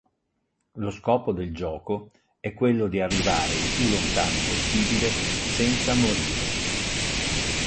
Lo scopo del gioco è quello di arrivare il più lontano possibile senza morire.